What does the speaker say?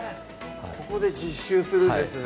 ここで実習するんですね